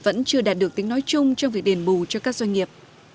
vẫn chưa đạt được tính nói chung trong việc đền bù cho các doanh nghiệp